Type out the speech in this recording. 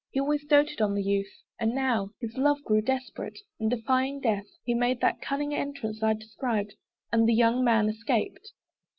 He always doted on the youth, and now His love grew desperate; and defying death, He made that cunning entrance I described: And the young man escaped.